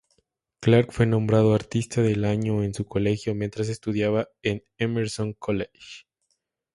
Clark fue nombrado Artista del Año en su colegio, mientras estudiaba en "Emerson College".